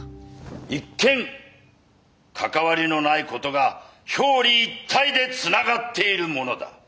一見関わりのない事が表裏一体でつながっているものだ。